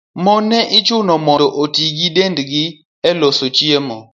Mon ne ichuno mondo oti gi dendgi e loso chiemo.